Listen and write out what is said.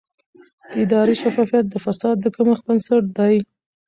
اداري شفافیت د فساد د کمښت بنسټ دی